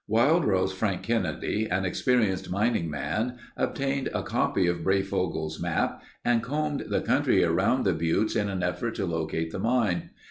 Wildrose (Frank) Kennedy, an experienced mining man obtained a copy of Breyfogle's map and combed the country around the buttes in an effort to locate the mine.